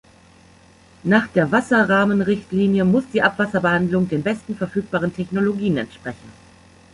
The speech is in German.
Nach der Wasserrahmenrichtlinie muss die Abwasserbehandlung den besten verfügbaren Technologien entsprechen.